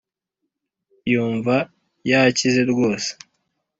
yumva yakize ryose